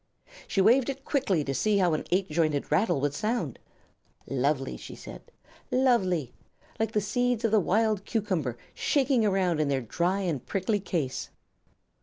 She waved it quickly to see how an eight jointed rattle would sound. "Lovely!" she said. "Lovely! Like the seeds of the wild cucumber shaking around in their dry and prickly case."